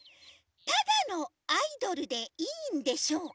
ただのアイドルでいいんでしょうか？